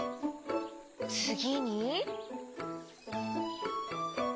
つぎに？